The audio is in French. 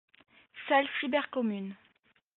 Salle cybercommune.